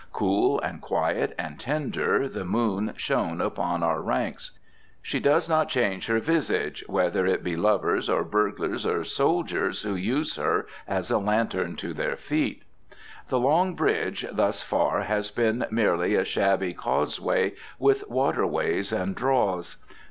Cool and quiet and tender the moon shone upon our ranks. She does not change her visage, whether it be lovers or burglars or soldiers who use her as a lantern to their feet. The Long Bridge thus far has been merely a shabby causeway with waterways and draws.